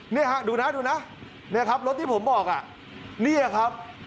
นี่ค่ะดูนะรถที่ผมบอกนี่ครับ